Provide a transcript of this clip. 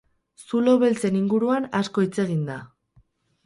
Zulo beltzen inguruan asko hitz egin da.